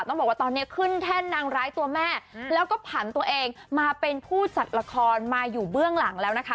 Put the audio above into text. ต้องบอกว่าตอนนี้ขึ้นแท่นนางร้ายตัวแม่แล้วก็ผันตัวเองมาเป็นผู้จัดละครมาอยู่เบื้องหลังแล้วนะคะ